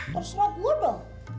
terserah gue dong